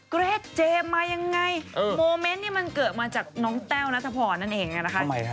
เกรตเกมมายังไงมันเกิดมาจากน้องแต้วนัสพรนั่นเองล่ะ